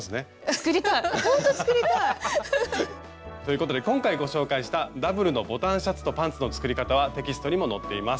作りたいほんと作りたい！ということで今回ご紹介したダブルのボタンシャツとパンツの作り方はテキストにも載っています。